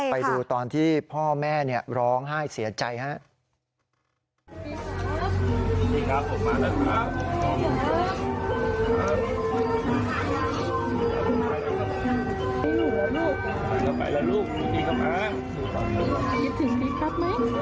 ไปดูตอนที่พ่อแม่ร้องไห้เสียใจครับ